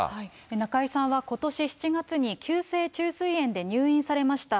中居さんはことし７月に急性虫垂炎で入院されました。